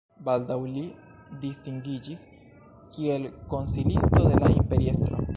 Baldaŭ li distingiĝis kiel konsilisto de la imperiestro.